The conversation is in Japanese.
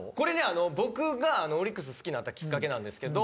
あの僕がオリックス好きになったきっかけなんですけど。